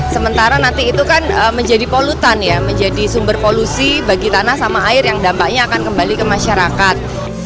sementara nanti itu kan menjadi polutan ya menjadi sumber polusi bagi tanah sama air yang dampaknya akan kembali ke masyarakat